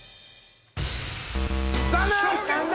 残念！